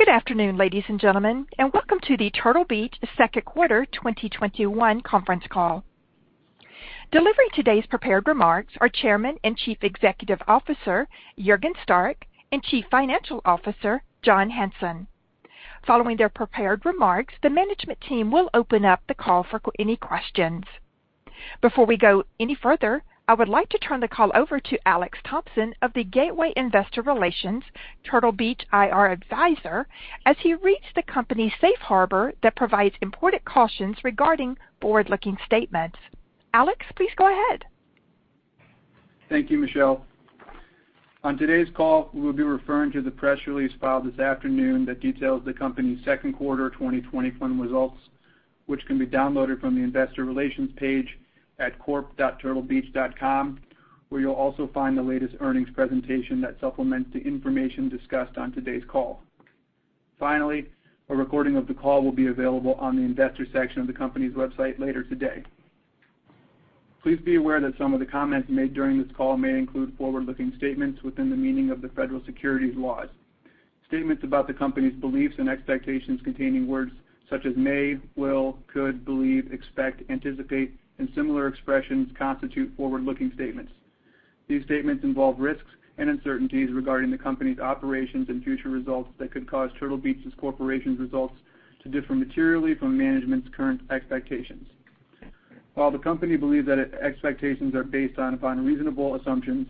Good afternoon, ladies and gentlemen, and welcome to the Turtle Beach second quarter 2021 conference call. Delivering today's prepared remarks are Chairman and Chief Executive Officer, Juergen Stark, and Chief Financial Officer, John Hanson. Following their prepared remarks, the management team will open up the call for any questions. Before we go any further, I would like to turn the call over to Alex Thompson of the Gateway Investor Relations, Turtle Beach IR advisor, as he reads the company's safe harbor that provides important cautions regarding forward-looking statements. Alex, please go ahead. Thank you, Michelle. On today's call, we will be referring to the press release filed this afternoon that details the company's second quarter 2021 results, which can be downloaded from the investor relations page at corp.turtlebeach.com, where you'll also find the latest earnings presentation that supplements the information discussed on today's call. Finally, a recording of the call will be available on the investor section of the company's website later today. Please be aware that some of the comments made during this call may include forward-looking statements within the meaning of the Federal Securities laws. Statements about the company's beliefs and expectations containing words such as may, will, could, believe, expect, anticipate, and similar expressions constitute forward-looking statements. These statements involve risks and uncertainties regarding the company's operations and future results that could cause Turtle Beach Corporation's results to differ materially from management's current expectations. While the company believes that expectations are based on reasonable assumptions,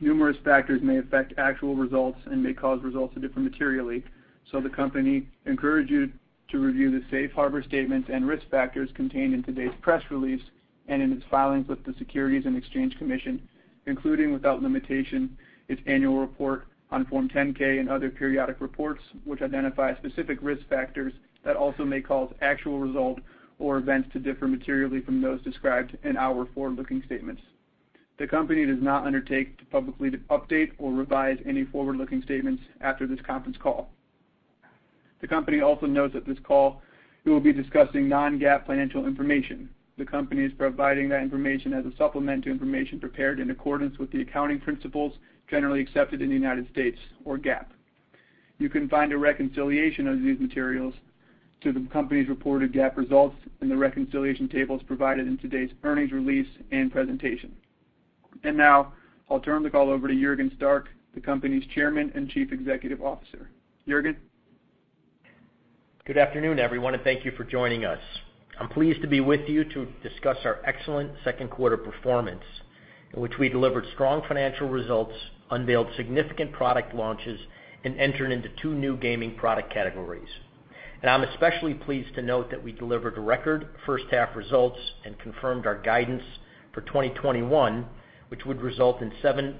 numerous factors may affect actual results and may cause results to differ materially, so the company encourage you to review the safe harbor statements and risk factors contained in today's press release and in its filings with the Securities and Exchange Commission, including, without limitation, its annual report on Form 10-K and other periodic reports, which identify specific risk factors that also may cause actual result or events to differ materially from those described in our forward-looking statements. The company does not undertake to publicly update or revise any forward-looking statements after this conference call. The company also notes that this call, we will be discussing non-GAAP financial information. The company is providing that information as a supplement to information prepared in accordance with the accounting principles generally accepted in the United States, or GAAP. You can find a reconciliation of these materials to the company's reported GAAP results in the reconciliation tables provided in today's earnings release and presentation. Now, I'll turn the call over to Juergen Stark, the company's Chairman and Chief Executive Officer. Juergen. Good afternoon, everyone, and thank you for joining us. I'm pleased to be with you to discuss our excellent second quarter performance, in which we delivered strong financial results, unveiled significant product launches, and entered into two new gaming product categories. I'm especially pleased to note that we delivered a record first half results and confirmed our guidance for 2021, which would result in 7%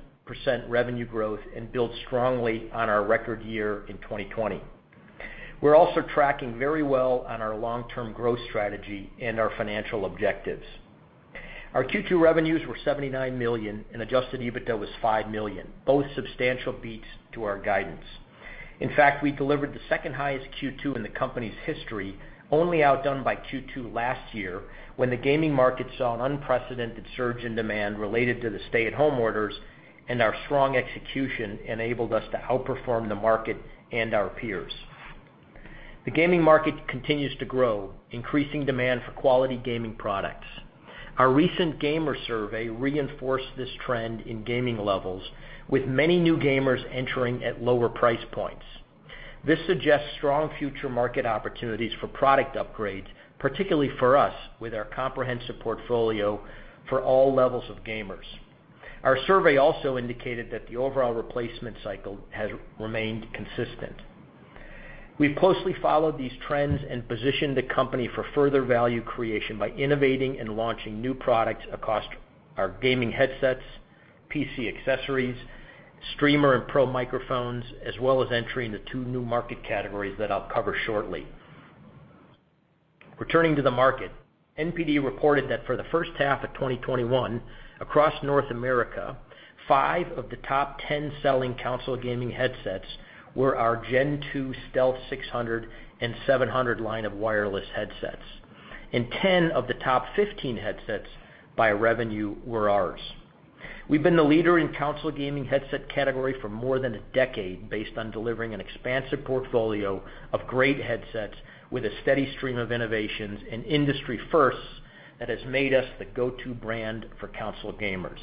revenue growth and build strongly on our record year in 2020. We're also tracking very well on our long-term growth strategy and our financial objectives. Our Q2 revenues were $79 million and adjusted EBITDA was $5 million, both substantial beats to our guidance. In fact, we delivered the second highest Q2 in the company's history, only outdone by Q2 last year when the gaming market saw an unprecedented surge in demand related to the stay-at-home orders, and our strong execution enabled us to outperform the market and our peers. The gaming market continues to grow, increasing demand for quality gaming products. Our recent gamer survey reinforced this trend in gaming levels, with many new gamers entering at lower price points. This suggests strong future market opportunities for product upgrades, particularly for us, with our comprehensive portfolio for all levels of gamers. Our survey also indicated that the overall replacement cycle has remained consistent. We've closely followed these trends and positioned the company for further value creation by innovating and launching new products across our gaming headsets, PC accessories, streamer and pro microphones, as well as entering the two new market categories that I'll cover shortly. Returning to the market, NPD reported that for the first half of 2021, across North America, five of the top 10 selling console gaming headsets were our Gen-2 Stealth 600 and 700 line of wireless headsets, and 10 of the top 15 headsets by revenue were ours. We've been the leader in console gaming headset category for more than a decade based on delivering an expansive portfolio of great headsets with a steady stream of innovations and industry firsts that has made us the go-to brand for console gamers.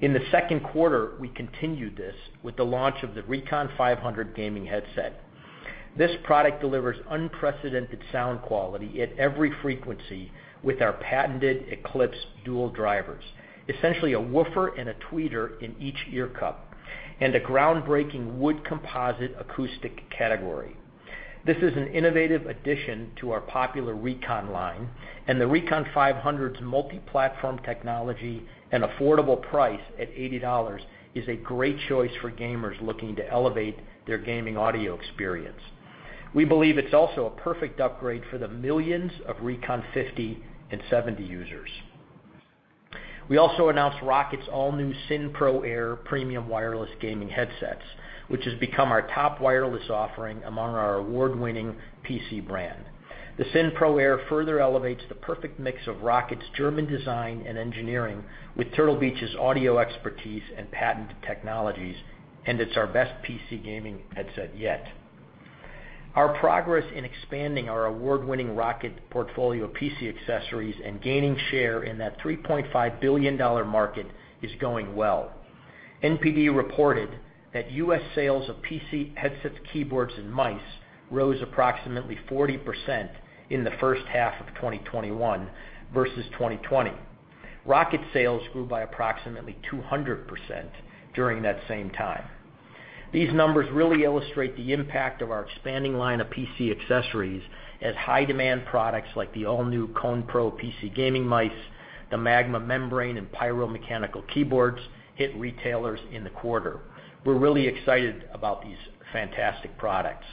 In the second quarter, we continued this with the launch of the Recon 500 gaming headset. This product delivers unprecedented sound quality at every frequency with our patented Eclipse dual drivers, essentially a woofer and a tweeter in each ear cup, and a groundbreaking wood composite acoustic category. This is an innovative addition to our popular Recon line, and the Recon 500's multi-platform technology and affordable price at $80 is a great choice for gamers looking to elevate their gaming audio experience. We believe it's also a perfect upgrade for the millions of Recon 50 and 70 users. We also announced ROCCAT's all-new Syn Pro Air premium wireless gaming headsets, which has become our top wireless offering among our award-winning PC brand. The Syn Pro Air further elevates the perfect mix of ROCCAT's German design and engineering with Turtle Beach's audio expertise and patented technologies, and it's our best PC gaming headset yet. Our progress in expanding our award-winning ROCCAT portfolio of PC accessories and gaining share in that $3.5 billion market is going well. NPD reported that U.S. sales of PC headsets, keyboards, and mice rose approximately 40% in the first half of 2021 versus 2020. ROCCAT sales grew by approximately 200% during that same time. These numbers really illustrate the impact of our expanding line of PC accessories as high-demand products like the all-new Kone Pro PC gaming mice, the Magma Membrane and Pyro mechanical keyboards, hit retailers in the quarter. We're really excited about these fantastic products.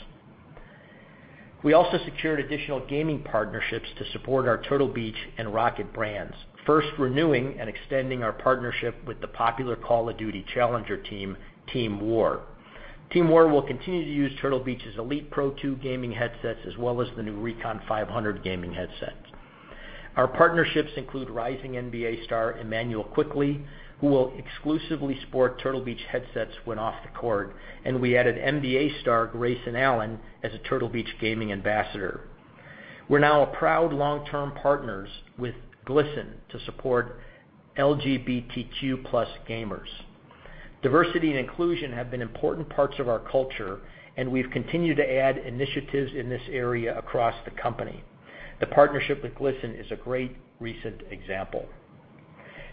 We also secured additional gaming partnerships to support our Turtle Beach and ROCCAT brands, first renewing and extending our partnership with the popular "Call of Duty" challenger team, Team WaR. Team WaR will continue to use Turtle Beach's Elite Pro 2 gaming headsets, as well as the new Recon 500 gaming headsets. Our partnerships include rising NBA star, Immanuel Quickley, who will exclusively sport Turtle Beach headsets when off the court, and we added NBA star Grayson Allen as a Turtle Beach gaming ambassador. We're now a proud long-term partners with GLSEN to support LGBTQ+ gamers. Diversity and inclusion have been important parts of our culture, and we've continued to add initiatives in this area across the company. The partnership with GLSEN is a great recent example.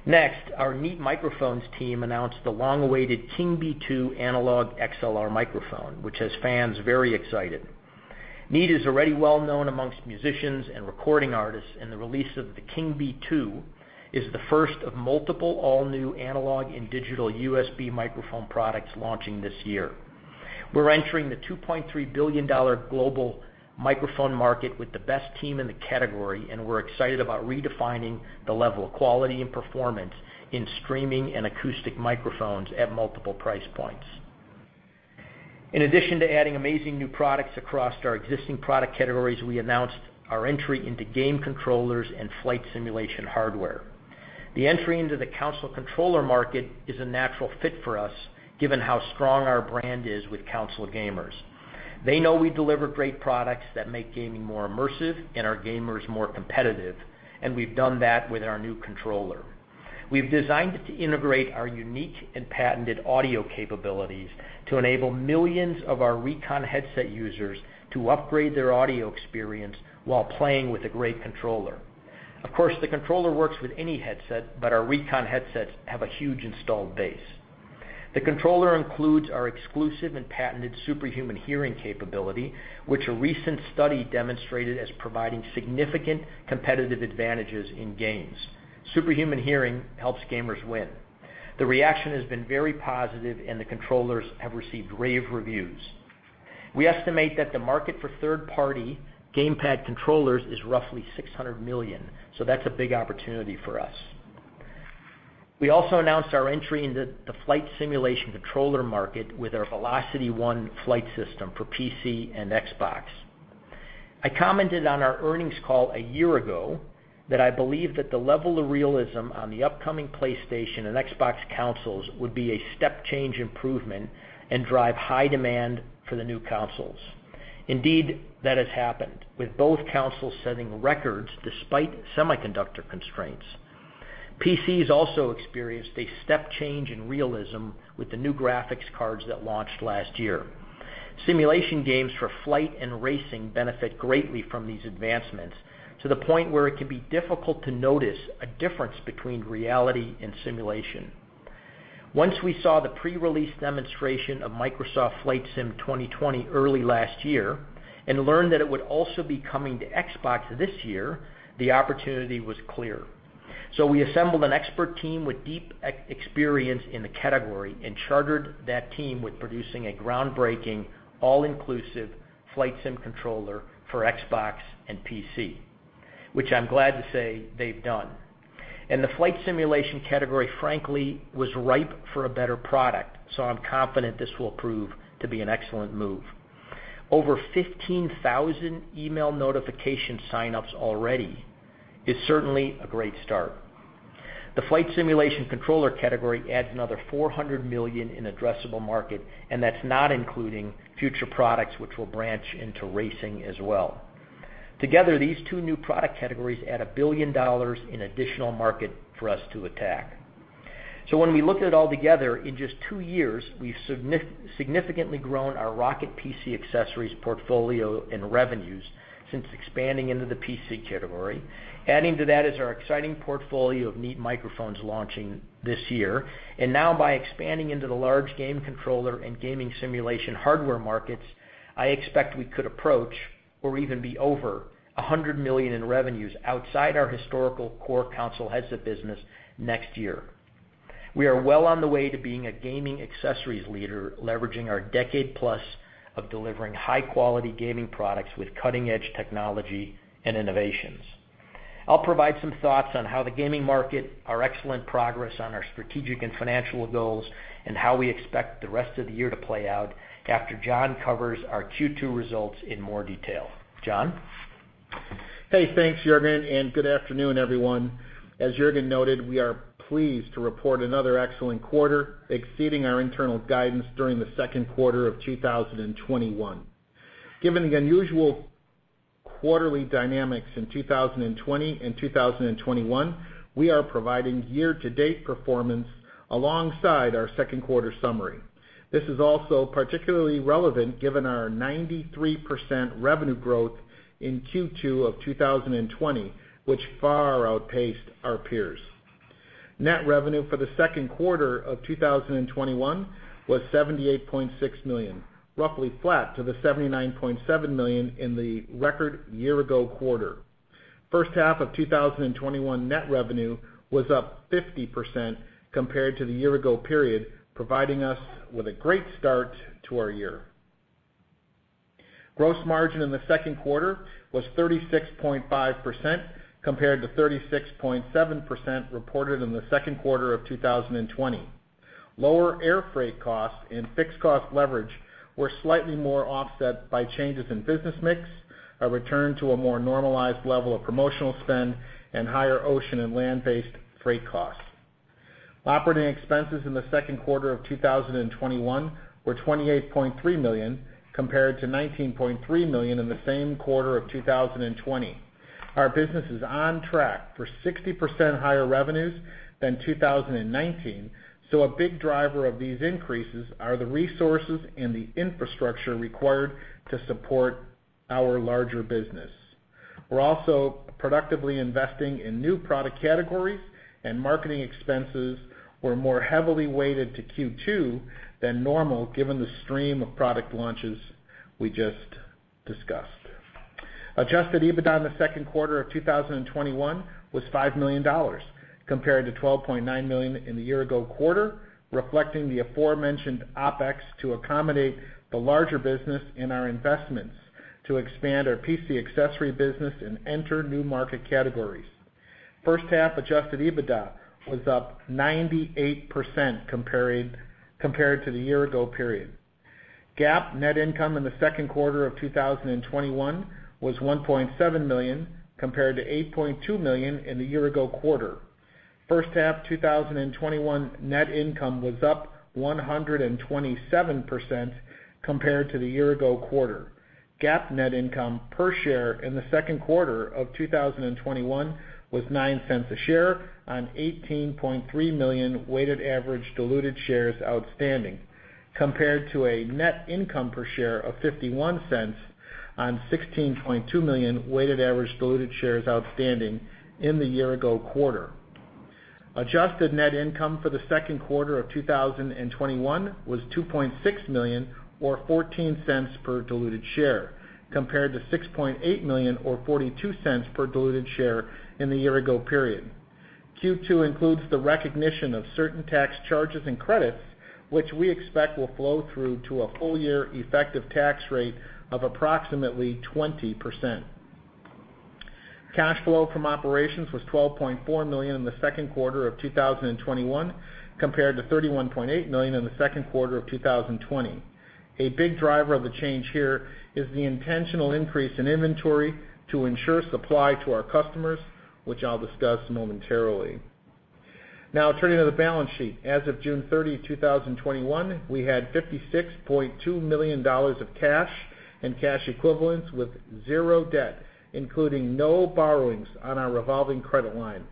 Next, our Neat Microphones team announced the long-awaited King Bee II analog XLR microphone, which has fans very excited. Neat is already well-known amongst musicians and recording artists, and the release of the King Bee II is the first of multiple all-new analog and digital USB microphone products launching this year. We're entering the $2.3 billion global microphone market with the best team in the category, and we're excited about redefining the level of quality and performance in streaming and acoustic microphones at multiple price points. In addition to adding amazing new products across our existing product categories, we announced our entry into game controllers and flight simulation hardware. The entry into the console controller market is a natural fit for us, given how strong our brand is with console gamers. They know we deliver great products that make gaming more immersive and our gamers more competitive, and we've done that with our new controller. We've designed it to integrate our unique and patented audio capabilities to enable millions of our Recon headset users to upgrade their audio experience while playing with a great controller. Of course, the controller works with any headset, but our Recon headsets have a huge installed base. The controller includes our exclusive and patented Superhuman Hearing capability, which a recent study demonstrated as providing significant competitive advantages in games. Superhuman Hearing helps gamers win. The reaction has been very positive, the controllers have received rave reviews. We estimate that the market for third-party gamepad controllers is roughly $600 million, that's a big opportunity for us. We also announced our entry into the flight simulation controller market with our VelocityOne flight system for PC and Xbox. I commented on our earnings call a year ago that I believe that the level of realism on the upcoming PlayStation and Xbox consoles would be a step-change improvement and drive high demand for the new consoles. Indeed, that has happened, with both consoles setting records despite semiconductor constraints. PCs also experienced a step change in realism with the new graphics cards that launched last year. Simulation games for flight and racing benefit greatly from these advancements, to the point where it can be difficult to notice a difference between reality and simulation. Once we saw the pre-release demonstration of Microsoft Flight Simulator 2020 early last year and learned that it would also be coming to Xbox this year, the opportunity was clear. We assembled an expert team with deep experience in the category and chartered that team with producing a groundbreaking, all-inclusive flight sim controller for Xbox and PC, which I'm glad to say they've done. The flight simulation category, frankly, was ripe for a better product, so I'm confident this will prove to be an excellent move. Over 15,000 email notification sign-ups already is certainly a great start. The flight simulation controller category adds another $400 million in addressable market. That's not including future products, which will branch into racing as well. Together, these two new product categories add $1 billion in additional market for us to attack. When we look at it all together, in just two years, we've significantly grown our ROCCAT PC accessories portfolio and revenues since expanding into the PC category. Adding to that is our exciting portfolio of Neat Microphones launching this year. Now by expanding into the large game controller and gaming simulation hardware markets, I expect I could approach or even be over $100 million in revenues outside our historical core console headset business next year. We are well on the way to being a gaming accessories leader, leveraging our decade-plus of delivering high-quality gaming products with cutting-edge technology and innovations. I'll provide some thoughts on how the gaming market, our excellent progress on our strategic and financial goals, and how we expect the rest of the year to play out after John covers our Q2 results in more detail. John? Hey, thanks, Juergen, and good afternoon, everyone. As Juergen noted, we are pleased to report another excellent quarter, exceeding our internal guidance during the second quarter of 2021. Given the unusual quarterly dynamics in 2020 and 2021, we are providing year-to-date performance alongside our second quarter summary. This is also particularly relevant given our 93% revenue growth in Q2 of 2020, which far outpaced our peers. Net revenue for the second quarter of 2021 was $78.6 million, roughly flat to the $79.7 million in the record year-ago quarter. First half of 2021 net revenue was up 50% compared to the year-ago period, providing us with a great start to our year. Gross margin in the second quarter was 36.5% compared to 36.7% reported in the second quarter of 2020. Lower air freight costs and fixed cost leverage were slightly more offset by changes in business mix, a return to a more normalized level of promotional spend, and higher ocean and land-based freight costs. Operating expenses in the second quarter of 2021 were $28.3 million, compared to $19.3 million in the same quarter of 2020. Our business is on track for 60% higher revenues than 2019, so a big driver of these increases are the resources and the infrastructure required to support our larger business. We're also productively investing in new product categories, and marketing expenses were more heavily weighted to Q2 than normal given the stream of product launches we just discussed. Adjusted EBITDA in the second quarter of 2021 was $5 million, compared to $12.9 million in the year-ago quarter, reflecting the aforementioned OpEx to accommodate the larger business and our investments to expand our PC accessory business and enter new market categories. First half adjusted EBITDA was up 98% compared to the year-ago period. GAAP net income in the second quarter of 2021 was $1.7 million, compared to $8.2 million in the year-ago quarter. First half 2021 net income was up 127% compared to the year-ago quarter. GAAP net income per share in the second quarter of 2021 was $0.09 a share on 18.3 million weighted average diluted shares outstanding, compared to a net income per share of $0.51 on 16.2 million weighted average diluted shares outstanding in the year-ago quarter. Adjusted net income for the second quarter of 2021 was $2.6 million or $0.14 per diluted share, compared to $6.8 million or $0.42 per diluted share in the year-ago period. Q2 includes the recognition of certain tax charges and credits, which we expect will flow through to a full year effective tax rate of approximately 20%. Cash flow from operations was $12.4 million in the second quarter of 2021, compared to $31.8 million in the second quarter of 2020. A big driver of the change here is the intentional increase in inventory to ensure supply to our customers, which I'll discuss momentarily. Turning to the balance sheet. As of June 30, 2021, we had $56.2 million of cash and cash equivalents with zero debt, including no borrowings on our revolving credit line.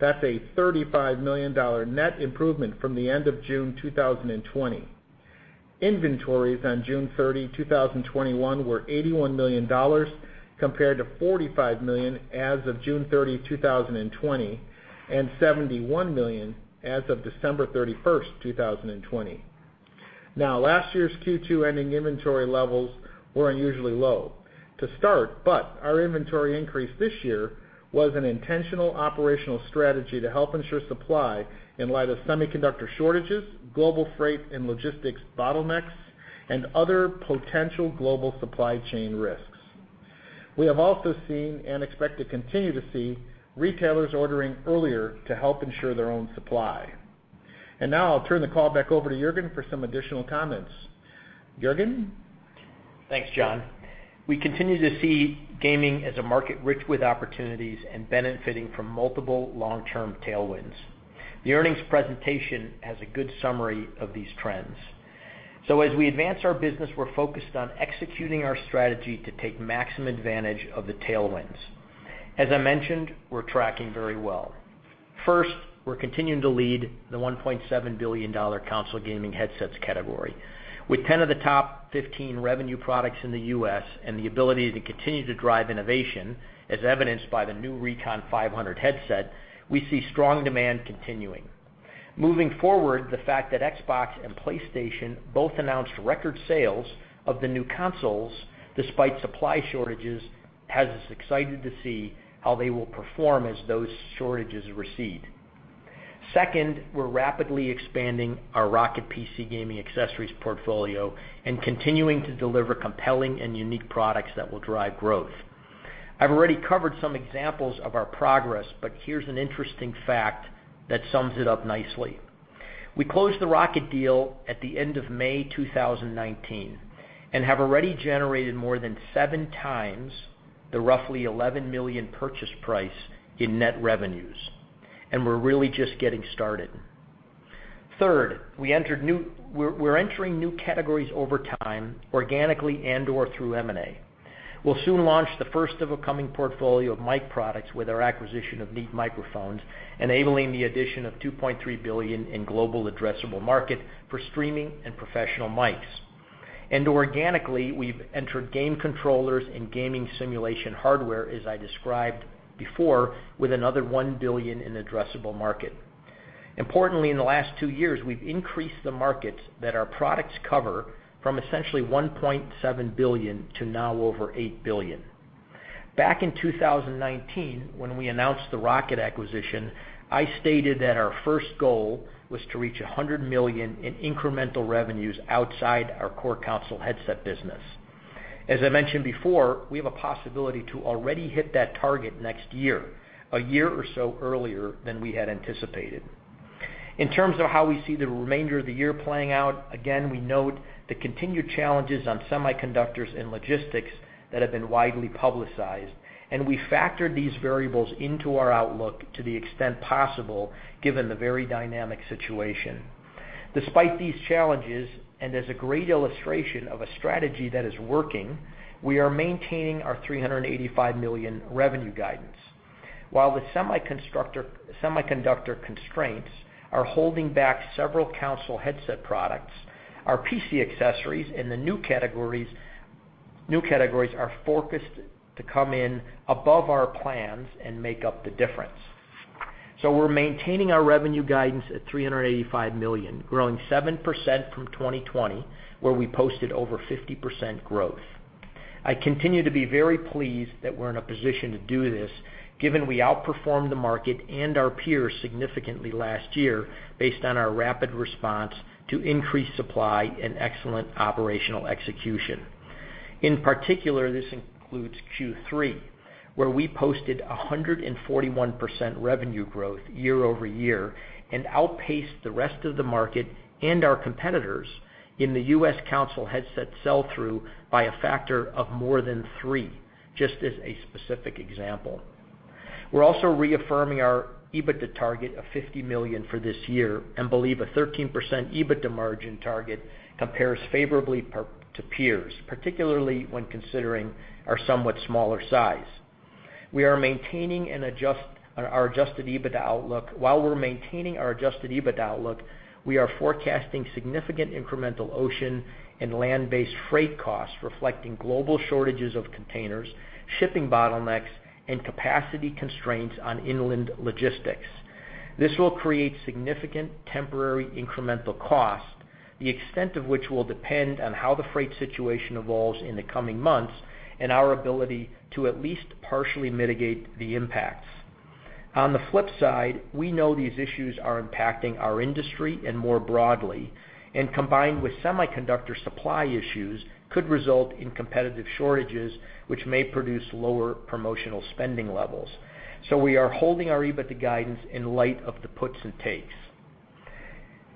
That's a $35 million net improvement from the end of June 2020. Inventories on June 30, 2021, were $81 million, compared to $45 million as of June 30, 2020, and $71 million as of December 31st, 2020. Now, last year's Q2 ending inventory levels were unusually low to start, but our inventory increase this year was an intentional operational strategy to help ensure supply in light of semiconductor shortages, global freight and logistics bottlenecks, and other potential global supply chain risks. We have also seen and expect to continue to see retailers ordering earlier to help ensure their own supply. I'll turn the call back over to Juergen for some additional comments. Juergen? Thanks, John. We continue to see gaming as a market rich with opportunities and benefiting from multiple long-term tailwinds. The earnings presentation has a good summary of these trends. As we advance our business, we're focused on executing our strategy to take maximum advantage of the tailwinds. As I mentioned, we're tracking very well. First, we're continuing to lead the $1.7 billion console gaming headsets category. With 10 of the top 15 revenue products in the U.S. and the ability to continue to drive innovation, as evidenced by the new Recon 500 headset, we see strong demand continuing. Moving forward, the fact that Xbox and PlayStation both announced record sales of the new consoles despite supply shortages has us excited to see how they will perform as those shortages recede. Second, we're rapidly expanding our ROCCAT PC gaming accessories portfolio and continuing to deliver compelling and unique products that will drive growth. I've already covered some examples of our progress, but here's an interesting fact that sums it up nicely. We closed the ROCCAT deal at the end of May 2019 and have already generated more than seven times the roughly $11 million purchase price in net revenues, and we're really just getting started. Third, we're entering new categories over time, organically and/or through M&A. We'll soon launch the first of a coming portfolio of mic products with our acquisition of Neat Microphones, enabling the addition of $2.3 billion in global addressable market for streaming and professional mics. Organically, we've entered game controllers and gaming simulation hardware, as I described before, with another $1 billion in addressable market. Importantly, in the last two years, we've increased the markets that our products cover from essentially $1.7 billion to now over $8 billion. Back in 2019, when we announced the ROCCAT acquisition, I stated that our first goal was to reach $100 million in incremental revenues outside our core console headset business. As I mentioned before, we have a possibility to already hit that target next year, a year or so earlier than we had anticipated. In terms of how we see the remainder of the year playing out, again, we note the continued challenges on semiconductors and logistics that have been widely publicized, and we factored these variables into our outlook to the extent possible, given the very dynamic situation. Despite these challenges, and as a great illustration of a strategy that is working, we are maintaining our $385 million revenue guidance. While the semiconductor constraints are holding back several console headset products, our PC accessories in the new categories are focused to come in above our plans and make up the difference. We're maintaining our revenue guidance at $385 million, growing 7% from 2020, where we posted over 50% growth. I continue to be very pleased that we're in a position to do this, given we outperformed the market and our peers significantly last year based on our rapid response to increased supply and excellent operational execution. In particular, this includes Q3, where we posted 141% revenue growth year-over-year and outpaced the rest of the market and our competitors in the U.S. console headset sell-through by a factor of more than three, just as a specific example. We're also reaffirming our EBITDA target of $50 million for this year and believe a 13% EBITDA margin target compares favorably to peers, particularly when considering our somewhat smaller size. While we're maintaining our adjusted EBITDA outlook, we are forecasting significant incremental ocean and land-based freight costs reflecting global shortages of containers, shipping bottlenecks, and capacity constraints on inland logistics. This will create significant temporary incremental cost, the extent of which will depend on how the freight situation evolves in the coming months and our ability to at least partially mitigate the impacts. We know these issues are impacting our industry and more broadly, and combined with semiconductor supply issues, could result in competitive shortages, which may produce lower promotional spending levels. We are holding our EBITDA guidance in light of the puts and takes.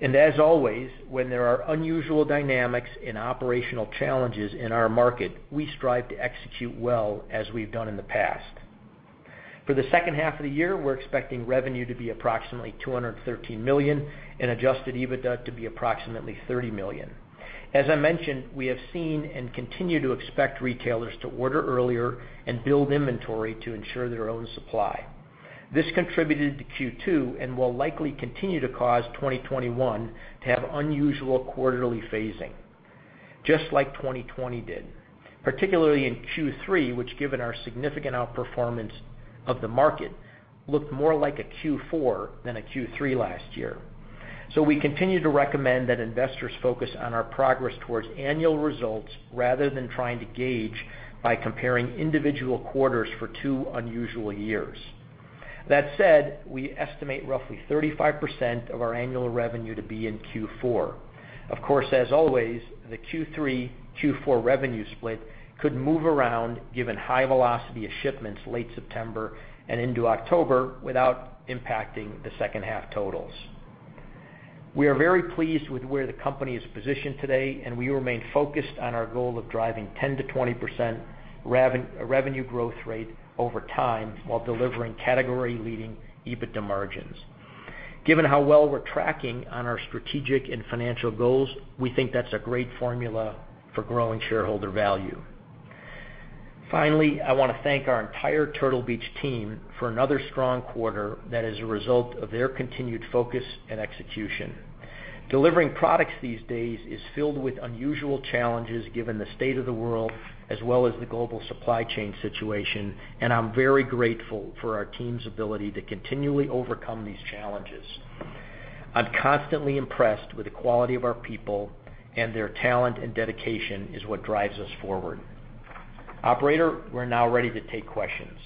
As always, when there are unusual dynamics and operational challenges in our market, we strive to execute well as we've done in the past. For the second half of the year, we're expecting revenue to be approximately $213 million and adjusted EBITDA to be approximately $30 million. As I mentioned, we have seen and continue to expect retailers to order earlier and build inventory to ensure their own supply. This contributed to Q2 and will likely continue to cause 2021 to have unusual quarterly phasing, just like 2020 did, particularly in Q3, which given our significant outperformance of the market, looked more like a Q4 than a Q3 last year. We continue to recommend that investors focus on our progress towards annual results rather than trying to gauge by comparing individual quarters for two unusual years. That said, we estimate roughly 35% of our annual revenue to be in Q4. Of course, as always, the Q3, Q4 revenue split could move around given high velocity of shipments late September and into October without impacting the second half totals. We are very pleased with where the company is positioned today, and we remain focused on our goal of driving 10%-20% revenue growth rate over time while delivering category-leading EBITDA margins. Given how well we're tracking on our strategic and financial goals, we think that's a great formula for growing shareholder value. Finally, I want to thank our entire Turtle Beach team for another strong quarter that is a result of their continued focus and execution. Delivering products these days is filled with unusual challenges given the state of the world as well as the global supply chain situation, and I'm very grateful for our team's ability to continually overcome these challenges. I'm constantly impressed with the quality of our people and their talent and dedication is what drives us forward. Operator, we're now ready to take questions.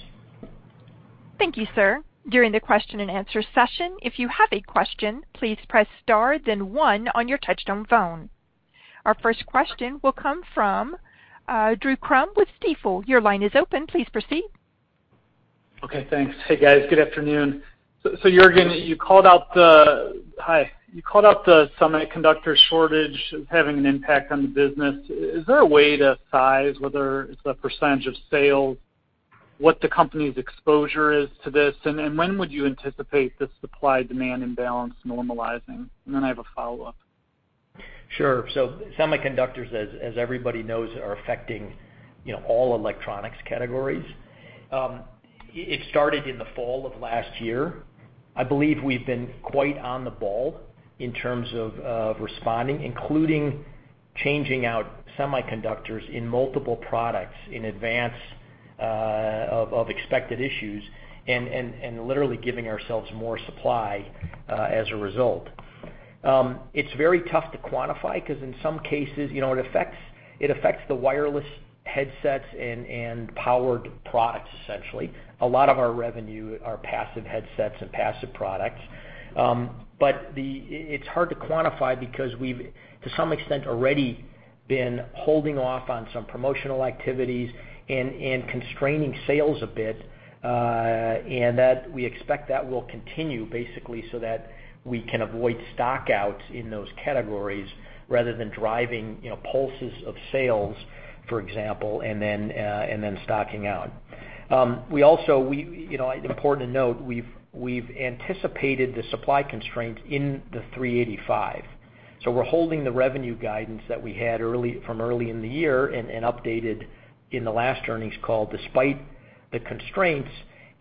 Thank you, sir. During the question-and-answer session, if you have a question, please press star then one on your touchtone phone. Our first question will come from Drew Crum with Stifel. Your line is open. Please proceed. Okay, thanks. Hey, guys. Good afternoon. Juergen, you called out the, hi. You called out the semiconductor shortage as having an impact on the business. Is there a way to size whether it's a percentage of sales, what the company's exposure is to this? When would you anticipate the supply-demand imbalance normalizing? I have a follow-up. Sure. Semiconductors, as everybody knows, are affecting all electronics categories. It started in the fall of last year. I believe we've been quite on the ball in terms of responding, including changing out semiconductors in multiple products in advance of expected issues and literally giving ourselves more supply as a result. It's very tough to quantify because in some cases, it affects the wireless headsets and powered products, essentially. A lot of our revenue are passive headsets and passive products. It's hard to quantify because we've, to some extent, already been holding off on some promotional activities and constraining sales a bit. We expect that will continue, basically, so that we can avoid stock-outs in those categories rather than driving pulses of sales, for example, and then stocking out. It's important to note, we've anticipated the supply constraints in the 385. We're holding the revenue guidance that we had from early in the year and updated in the last earnings call despite the constraints,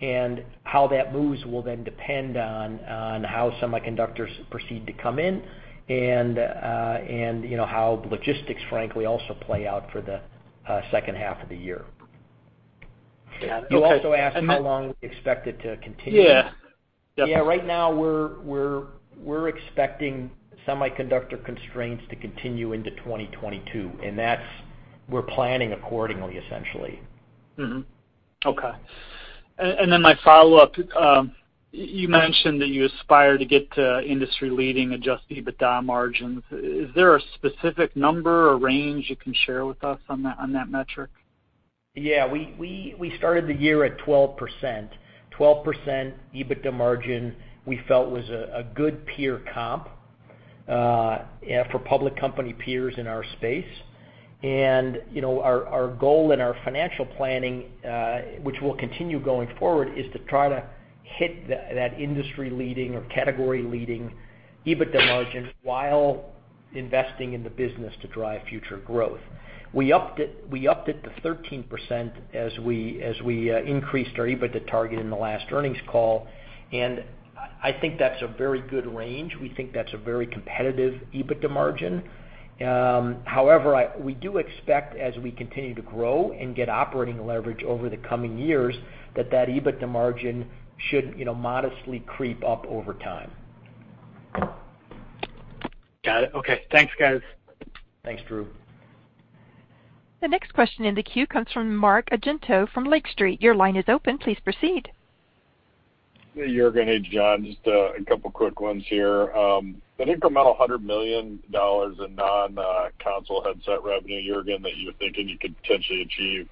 and how that moves will then depend on how semiconductors proceed to come in and how logistics frankly also play out for the second half of the year. Got it. Okay. You also asked how long we expect it to continue. Yeah. Definitely. Yeah. Right now, we're expecting semiconductor constraints to continue into 2022. We're planning accordingly, essentially. Mm-hmm. Okay. My follow-up, you mentioned that you aspire to get to industry-leading adjusted EBITDA margins. Is there a specific number or range you can share with us on that metric? Yeah. We started the year at 12%. 12% EBITDA margin we felt was a good peer comp for public company peers in our space. Our goal and our financial planning, which we'll continue going forward, is to try to hit that industry-leading or category-leading EBITDA margin while investing in the business to drive future growth. We upped it to 13% as we increased our EBITDA target in the last earnings call, and I think that's a very good range. We think that's a very competitive EBITDA margin. However, we do expect as we continue to grow and get operating leverage over the coming years that that EBITDA margin should modestly creep up over time. Got it. Okay. Thanks, guys. Thanks, Drew. The next question in the queue comes from Mark Argento from Lake Street. Your line is open. Please proceed. Hey, Juergen. Hey, John. Just a couple quick ones here. The incremental $100 million in non-console headset revenue, Juergen, that you were thinking you could potentially achieve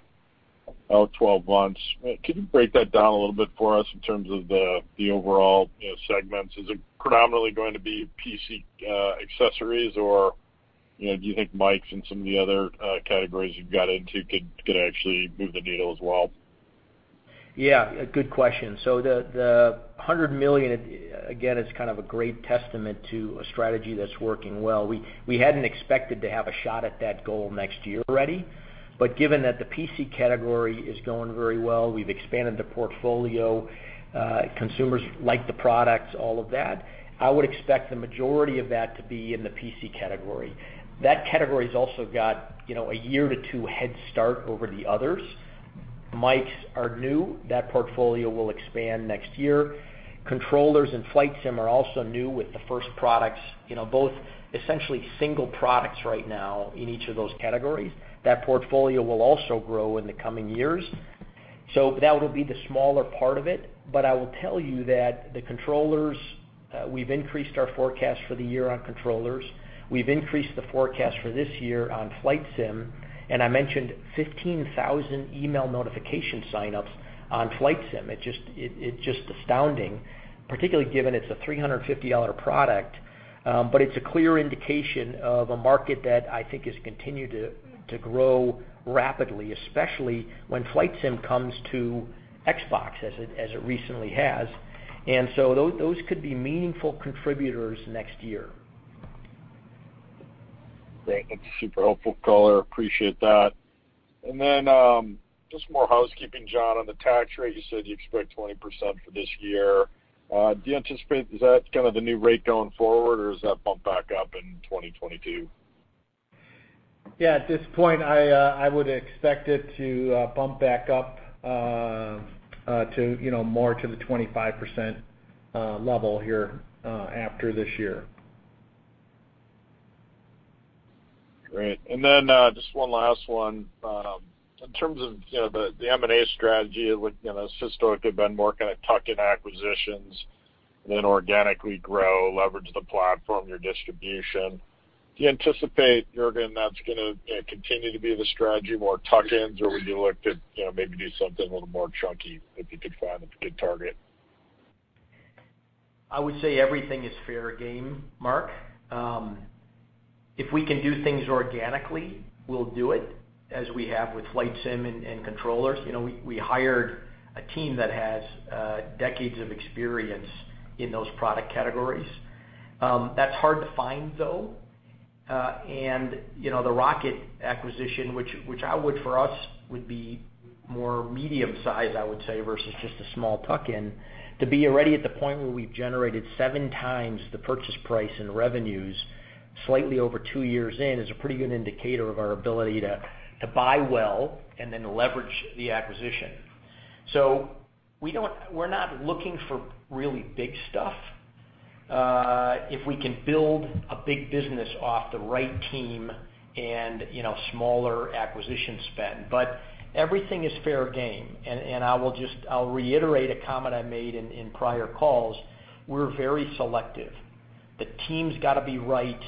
out 12 months, can you break that down a little bit for us in terms of the overall segments? Is it predominantly going to be PC accessories, or do you think mics and some of the other categories you've got into could actually move the needle as well? Yeah. A good question. The $100 million, again, is kind of a great testament to a strategy that's working well. We hadn't expected to have a shot at that goal next year already. Given that the PC category is going very well, we've expanded the portfolio, consumers like the products, all of that, I would expect the majority of that to be in the PC category. That category's also got a year to two head start over the others. Mics are new. That portfolio will expand next year. Controllers and flight sim are also new with the first products, both essentially single products right now in each of those categories. That portfolio will also grow in the coming years. That will be the smaller part of it. I will tell you that the controllers, we've increased our forecast for the year on controllers. We've increased the forecast for this year on flight sim, and I mentioned 15,000 email notification sign-ups on flight sim. It's just astounding, particularly given it's a $350 product. It's a clear indication of a market that I think has continued to grow rapidly, especially when flight sim comes to Xbox, as it recently has. Those could be meaningful contributors next year. Great. That's a super helpful color. Appreciate that. Just more housekeeping, John, on the tax rate, you said you expect 20% for this year. Do you anticipate is that kind of the new rate going forward, or does that bump back up in 2022? At this point, I would expect it to bump back up more to the 25% level here after this year. Great. Just one last one. In terms of the M&A strategy, it is historically been more kind of tuck-in acquisitions, then organically grow, leverage the platform, your distribution. Do you anticipate, Juergen, that is going to continue to be the strategy, more tuck-ins? Would you look to maybe do something a little more chunky if you could find a good target? I would say everything is fair game, Mark. If we can do things organically, we'll do it, as we have with flight sim and controllers. We hired a team that has decades of experience in those product categories. That's hard to find, though. The ROCCAT acquisition, which for us would be more medium-sized I would say, versus just a small tuck-in. To be already at the point where we've generated seven times the purchase price in revenues slightly over two years in is a pretty good indicator of our ability to buy well and then leverage the acquisition. We're not looking for really big stuff if we can build a big business off the right team and smaller acquisition spend. Everything is fair game, and I'll reiterate a comment I made in prior calls. We're very selective. The team's got to be right.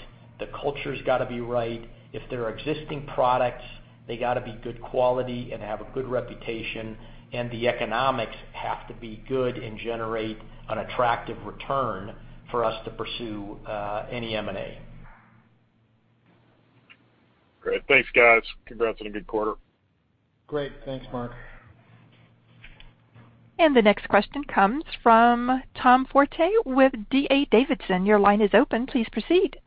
The culture's got to be right. If they're existing products, they got to be good quality and have a good reputation, and the economics have to be good and generate an attractive return for us to pursue any M&A. Great. Thanks, guys. Congrats on a good quarter. Great. Thanks, Mark. The next question comes from Tom Forte with D.A. Davidson. Your line is open, please proceed.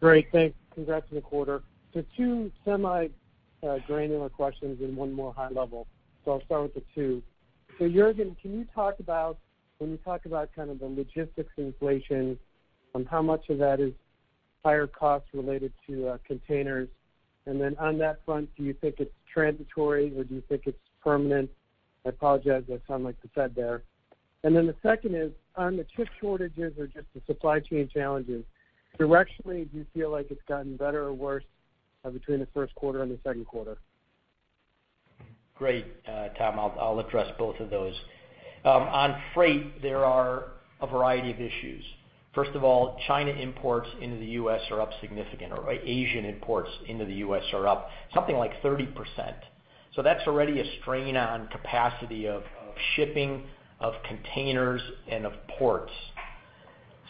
Great. Thanks. Congrats on the quarter. two semi-granular questions and one more high level. I'll start with the two. Juergen, when you talk about kind of the logistics inflation, how much of that is higher costs related to containers? On that front, do you think it's transitory, or do you think it's permanent? I apologize, I sound like the Fed there. The second is on the chip shortages or just the supply chain challenges. Directionally, do you feel like it's gotten better or worse between the first quarter and the second quarter? Great. Tom, I'll address both of those. On freight, there are a variety of issues. First of all, China imports into the U.S. are up significantly, or Asian imports into the U.S. are up something like 30%. That's already a strain on capacity of shipping, of containers, and of ports.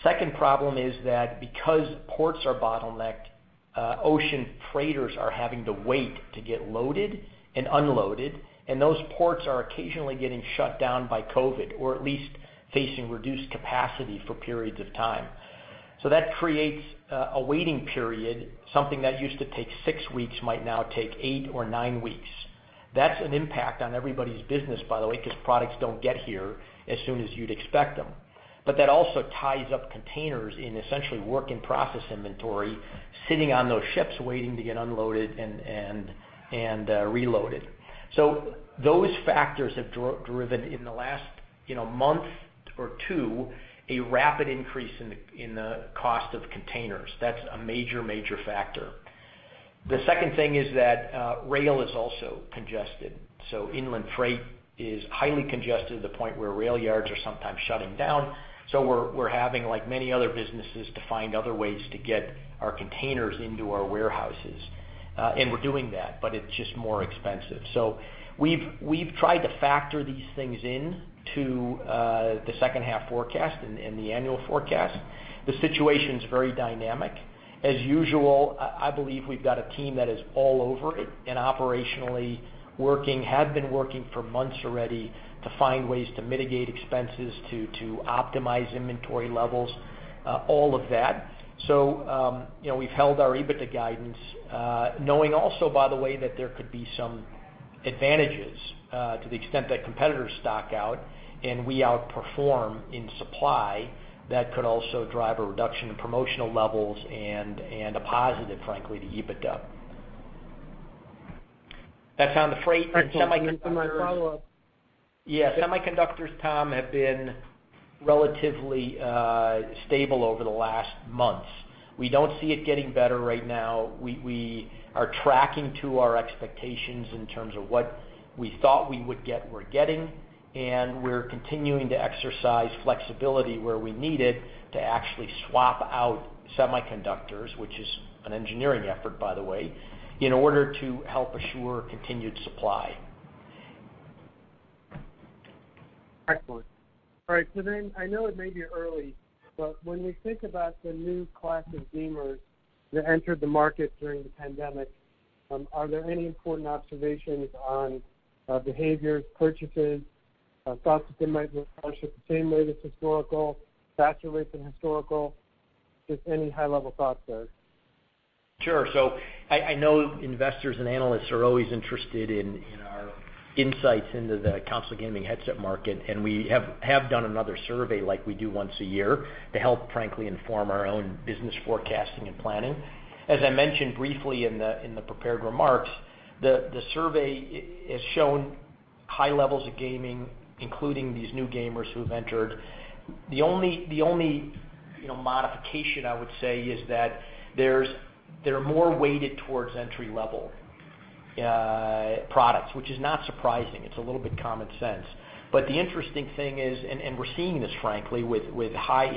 Second problem is that because ports are bottlenecked, ocean freighters are having to wait to get loaded and unloaded, and those ports are occasionally getting shut down by COVID or at least facing reduced capacity for periods of time. That creates a waiting period. Something that used to take six weeks might now take eight or nine weeks. That's an impact on everybody's business, by the way, because products don't get here as soon as you'd expect them. That also ties up containers in essentially work in process inventory, sitting on those ships waiting to get unloaded and reloaded. Those factors have driven in the last month or two a rapid increase in the cost of containers. That's a major factor. The second thing is that rail is also congested. Inland freight is highly congested to the point where rail yards are sometimes shutting down. We're having, like many other businesses, to find other ways to get our containers into our warehouses. We're doing that, but it's just more expensive. We've tried to factor these things into the second half forecast and the annual forecast. The situation's very dynamic. As usual, I believe we've got a team that is all over it and operationally working, have been working for months already to find ways to mitigate expenses to optimize inventory levels, all of that. We've held our EBITDA guidance knowing also, by the way, that there could be some advantages to the extent that competitors stock out and we outperform in supply. That could also drive a reduction in promotional levels and a positive, frankly, to EBITDA. That's on the freight and semiconductors. Excellent. Here's my follow-up. Yeah. Semiconductors, Tom, have been relatively stable over the last months. We don't see it getting better right now. We are tracking to our expectations in terms of what we thought we would get, we're getting, and we're continuing to exercise flexibility where we need it to actually swap out semiconductors, which is an engineering effort, by the way, in order to help assure continued supply. Excellent. All right. I know it may be early, but when we think about the new class of gamers that entered the market during the pandemic, are there any important observations on behaviors, purchases, thoughts that they might purchase the same way that's historical, faster rates than historical? Just any high-level thoughts there. Sure. I know investors and analysts are always interested in our insights into the console gaming headset market, and we have done another survey like we do once a year to help frankly inform our own business forecasting and planning. As I mentioned briefly in the prepared remarks, the survey has shown high levels of gaming, including these new gamers who have entered. The only modification I would say is that they're more weighted towards entry-level products, which is not surprising. It's a little bit common sense. The interesting thing is, and we're seeing this frankly with our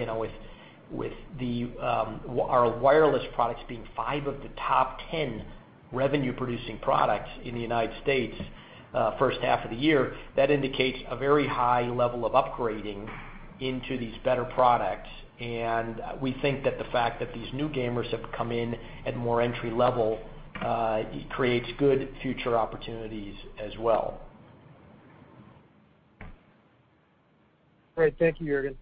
wireless products being five of the top 10 revenue-producing products in the United States first half of the year, that indicates a very high level of upgrading into these better products. We think that the fact that these new gamers have come in at more entry-level creates good future opportunities as well. Great. Thank you, Juergen.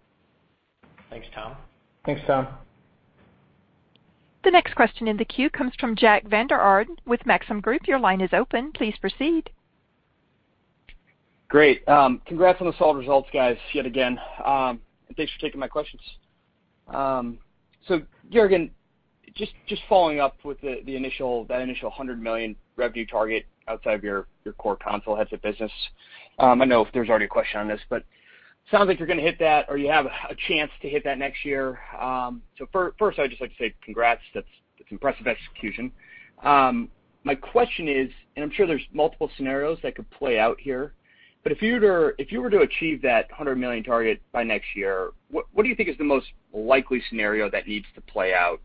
Thanks, Tom. Thanks, Tom. The next question in the queue comes from Jack Vander Aarde with Maxim Group. Your line is open. Please proceed. Great. Congrats on the solid results, guys, yet again. Thanks for taking my questions. Juergen, just following up with that initial $100 million revenue target outside of your core console headset business. I know there's already a question on this, sounds like you're going to hit that or you have a chance to hit that next year. First, I'd just like to say congrats. That's impressive execution. My question is, I'm sure there's multiple scenarios that could play out here, if you were to achieve that $100 million target by next year, what do you think is the most likely scenario that needs to play out?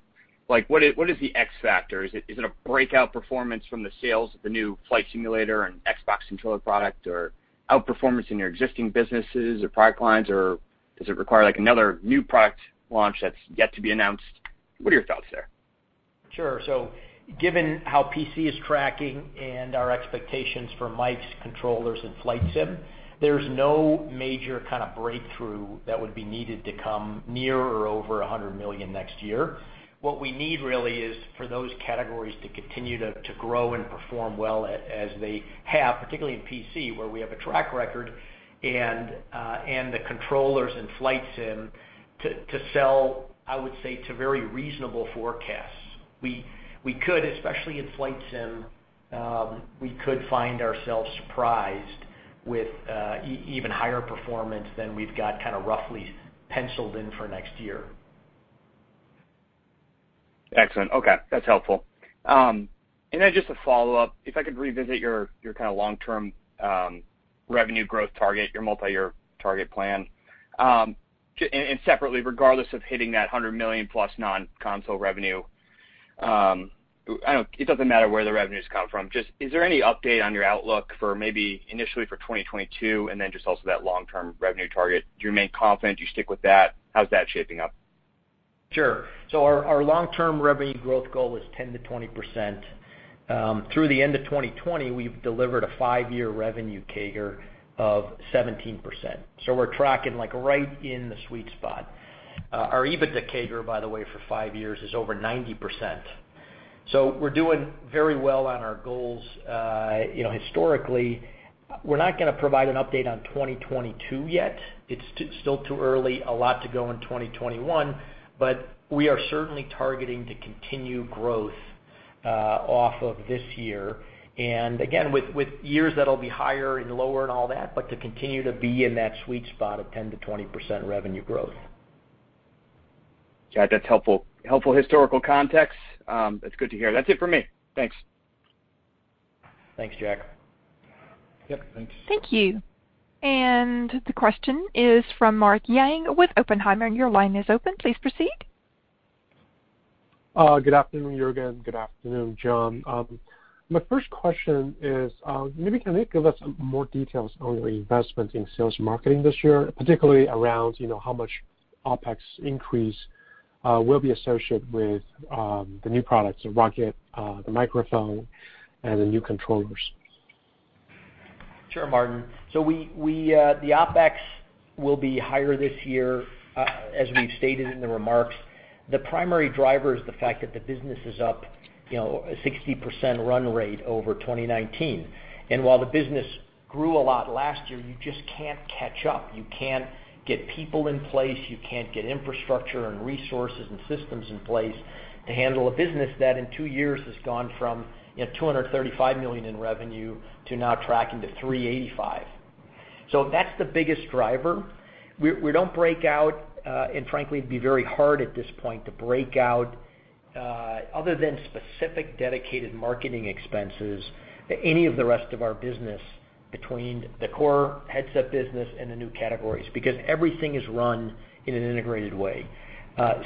What is the X factor? Is it a breakout performance from the sales of the new Flight Simulator and Xbox controller product, or outperformance in your existing businesses or product lines? Does it require another new product launch that's yet to be announced? What are your thoughts there? Sure. Given how PC is tracking and our expectations for mics, controllers and flight sim, there is no major kind of breakthrough that would be needed to come near or over $100 million next year. We need really is for those categories to continue to grow and perform well as they have, particularly in PC, where we have a track record and the controllers and flight sim to sell, I would say, to very reasonable forecasts. We could, especially in flight sim, we could find ourselves surprised with even higher performance than we've got kind of roughly penciled in for next year. Excellent. Okay. That's helpful. Just a follow-up, if I could revisit your kind of long-term revenue growth target, your multi-year target plan. Separately, regardless of hitting that $100 million-plus non-console revenue, it doesn't matter where the revenues come from. Just is there any update on your outlook for maybe initially for 2022 and just also that long-term revenue target? Do you remain confident? Do you stick with that? How's that shaping up? Sure. Our long-term revenue growth goal is 10%-20%. Through the end of 2020, we've delivered a five-year revenue CAGR of 17%. We're tracking like right in the sweet spot. Our EBITDA CAGR, by the way, for five years is over 90%. We're doing very well on our goals historically. We're not going to provide an update on 2022 yet. It's still too early, a lot to go in 2021, but we are certainly targeting to continue growth off of this year. Again, with years that'll be higher and lower and all that, but to continue to be in that sweet spot of 10%-20% revenue growth. Yeah, that's helpful historical context. That's good to hear. That's it for me. Thanks. Thanks, Jack. Yep, thanks. Thank you. The question is from Martin Yang with Oppenheimer. Your line is open. Please proceed. Good afternoon, Juergen. Good afternoon, John. My first question is, maybe can you give us more details on your investment in sales and marketing this year, particularly around how much OpEx increase will be associated with the new products, the ROCCAT, the microphone, and the new controllers. Sure, Martin. The OpEx will be higher this year, as we've stated in the remarks. The primary driver is the fact that the business is up 60% run rate over 2019. While the business grew a lot last year, you just can't catch up. You can't get people in place. You can't get infrastructure and resources and systems in place to handle a business that in two years has gone from $235 million in revenue to now tracking to $385 million. That's the biggest driver. We don't break out, and frankly, it'd be very hard at this point to break out other than specific dedicated marketing expenses, any of the rest of our business between the core headset business and the new categories, because everything is run in an integrated way.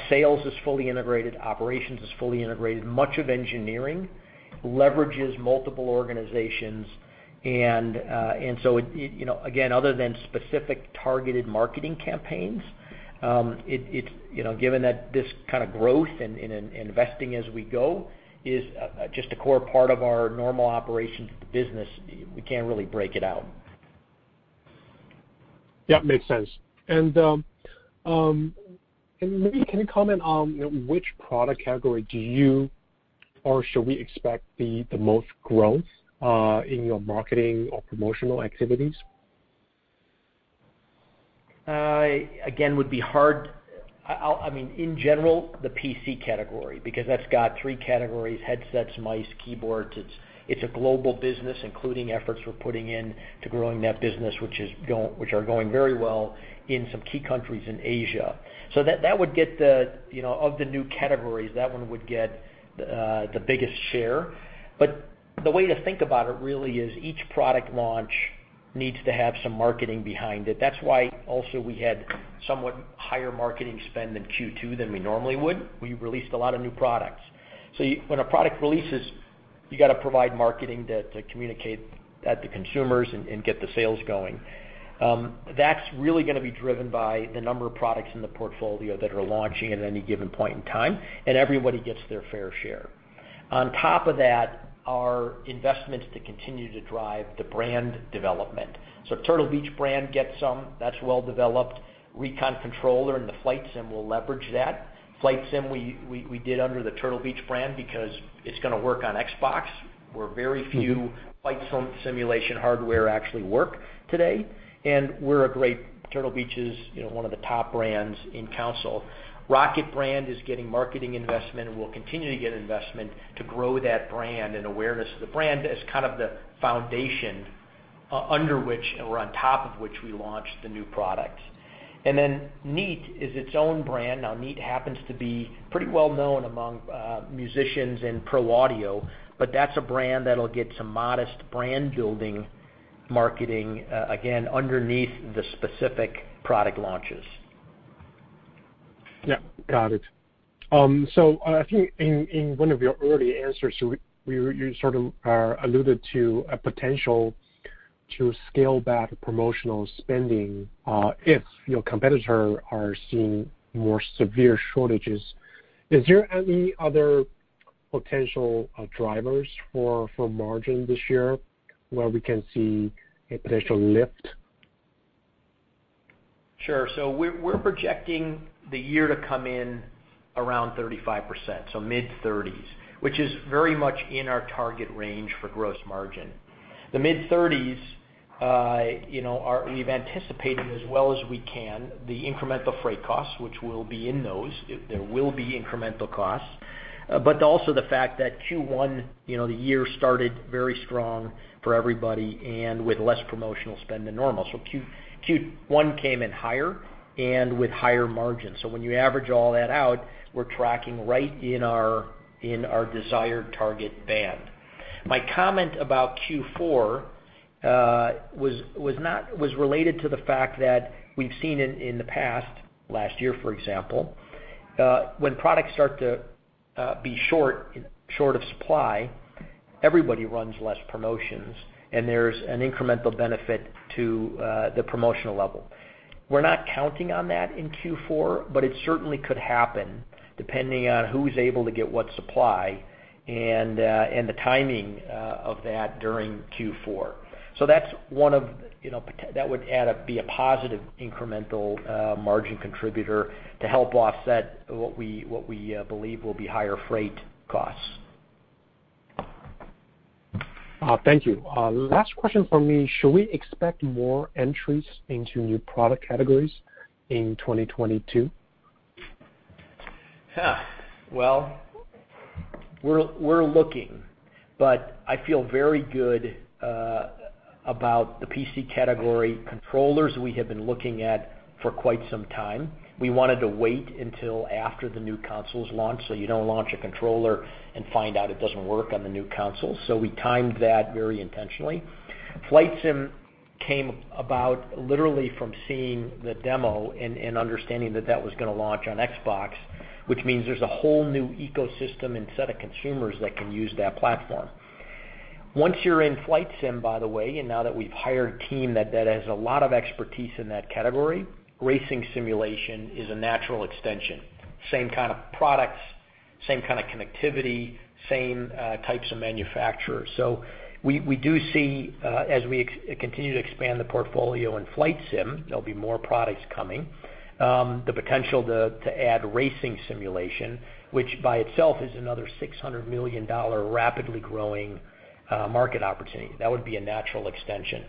Sales is fully integrated. Operations is fully integrated. Much of engineering leverages multiple organizations and so again, other than specific targeted marketing campaigns, given that this kind of growth and investing as we go is just a core part of our normal operations of the business, we can't really break it out. Yeah, makes sense. Maybe can you comment on which product category do you or should we expect the most growth in your marketing or promotional activities? Again, would be hard. In general, the PC category, because that's got three categories, headsets, mice, keyboards. It's a global business, including efforts we're putting in to growing that business, which are going very well in some key countries in Asia. That would get the, of the new categories, that one would get the biggest share. The way to think about it really is each product launch needs to have some marketing behind it. That's why also we had somewhat higher marketing spend in Q2 than we normally would. We released a lot of new products. When a product releases, you got to provide marketing to communicate at the consumers and get the sales going. That's really going to be driven by the number of products in the portfolio that are launching at any given point in time, and everybody gets their fair share. Our investments to continue to drive the brand development. Turtle Beach brand gets some, that's well developed. Recon controller and the Flight Sim will leverage that. Flight Sim we did under the Turtle Beach brand because it's going to work on Xbox, where very few flight sim simulation hardware actually work today. Turtle Beach is one of the top brands in console. ROCCAT brand is getting marketing investment and will continue to get investment to grow that brand and awareness of the brand as kind of the foundation under which, or on top of which we launch the new products. Neat is its own brand. Neat happens to be pretty well known among musicians and pro audio, but that's a brand that'll get some modest brand-building marketing, again, underneath the specific product launches. Yeah. Got it. I think in one of your early answers, you sort of alluded to a potential to scale back promotional spending if your competitor are seeing more severe shortages. Is there any other potential drivers for margin this year where we can see a potential lift? Sure. We're projecting the year to come in around 35%, so mid-30%s, which is very much in our target range for gross margin. The mid-30%s, we've anticipated as well as we can the incremental freight costs, which will be in those. There will be incremental costs. Also the fact that Q1, the year started very strong for everybody and with less promotional spend than normal. Q1 came in higher and with higher margins. When you average all that out, we're tracking right in our desired target band. My comment about Q4 was related to the fact that we've seen in the past, last year, for example, when products start to be short of supply, everybody runs less promotions, and there's an incremental benefit to the promotional level. We're not counting on that in Q4, but it certainly could happen depending on who's able to get what supply and the timing of that during Q4. That would be a positive incremental margin contributor to help offset what we believe will be higher freight costs. Thank you. Last question from me. Should we expect more entries into new product categories in 2022? Well, we're looking, but I feel very good about the PC category controllers we have been looking at for quite some time. We wanted to wait until after the new consoles launch, so you don't launch a controller and find out it doesn't work on the new console. Flight sim came about literally from seeing the demo and understanding that that was going to launch on Xbox, which means there's a whole new ecosystem and set of consumers that can use that platform. Once you're in flight sim, by the way, and now that we've hired a team that has a lot of expertise in that category, racing simulation is a natural extension. Same kind of products, same kind of connectivity, same types of manufacturers. We do see as we continue to expand the portfolio in flight sim, there'll be more products coming. The potential to add racing simulation, which by itself is another $600 million rapidly growing market opportunity. That would be a natural extension.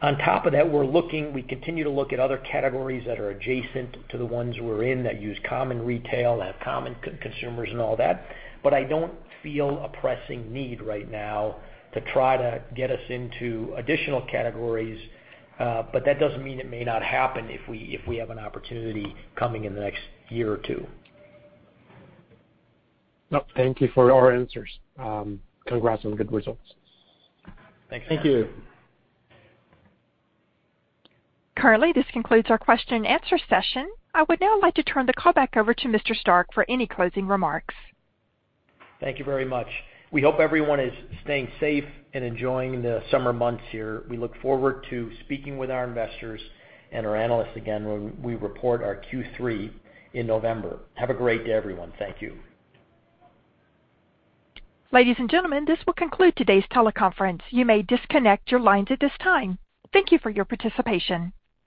On top of that, we continue to look at other categories that are adjacent to the ones we're in that use common retail, have common consumers and all that. I don't feel a pressing need right now to try to get us into additional categories. That doesn't mean it may not happen if we have an opportunity coming in the next year or two. Thank you for all answers. Congrats on the good results. Thanks. Thank you. Currently, this concludes our question-and-answer session. I would now like to turn the call back over to Mr. Stark for any closing remarks. Thank you very much. We hope everyone is staying safe and enjoying the summer months here. We look forward to speaking with our investors and our analysts again when we report our Q3 in November. Have a great day, everyone. Thank you. Ladies and gentlemen, this will conclude today's teleconference. You may disconnect your lines at this time. Thank you for your participation.